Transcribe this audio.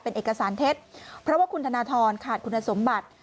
เป็นเอกสารเท็จเพราะว่าคุณฑิราณทรสัมบัติ